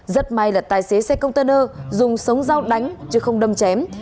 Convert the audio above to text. rất may là tài xế xe công tân ơ dùng sống dao đánh chứ không đâm chém